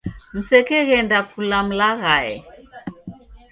Msekeghenda kula mlaghae.